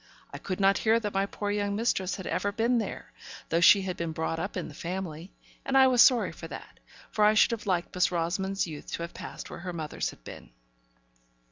I could not hear that my poor young mistress had never been there, though she had been brought up in the family; and I was sorry for that, for I should have liked Miss Rosamond's youth to have passed where her mother's had been.